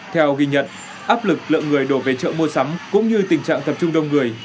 theo ghi nhận áp lực lượng người đổ về chợ mua sắm cũng như tình trạng tập trung đông người